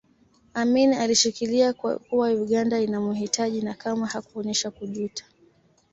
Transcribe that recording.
Amin alishikilia kuwa Uganda inamuhitaji na kamwe hakuonyesha kujuta